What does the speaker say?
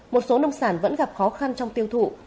một số nông sản vẫn gặp khó khăn trong tiêu thụ